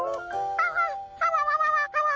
ハハッハワワワワハワ。